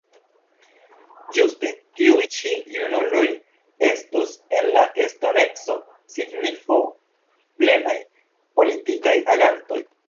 Ĝuste tiuj ĉi junuloj estos en la estonteco signifoplenaj politikaj agantoj.